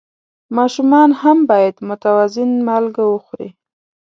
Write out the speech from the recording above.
ماشومان هم باید متوازن مالګه وخوري.